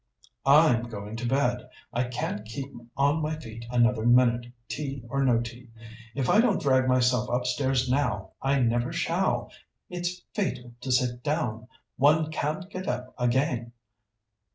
"I'm going to bed. I can't keep on my feet another minute, tea or no tea. If I don't drag myself upstairs now I never shall. It's fatal to sit down; one can't get up again."